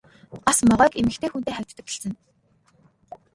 Бас могойг эмэгтэй хүнтэй хавьтдаг гэлцэнэ.